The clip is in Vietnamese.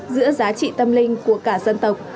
giữa giá trị tâm linh của cả dân tộc